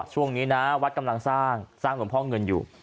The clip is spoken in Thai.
ช่วงนี้นะวัดกำลังสร้างสร้างหลวงพ่อเงินอยู่